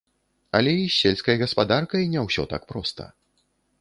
Але і з сельскай гаспадаркай не ўсё так проста.